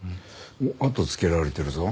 あとをつけられてるぞ。